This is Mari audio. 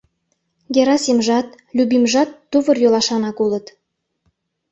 Герасимжат, Любимжат тувыр-йолашанак улыт.